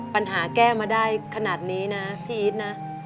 ปัญหาแก้มาได้ขนาดนี้นะพี่อิทธิ์นะ